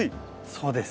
そうです。